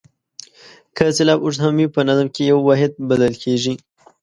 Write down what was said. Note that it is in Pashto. که سېلاب اوږد هم وي په نظم کې یو واحد بلل کیږي.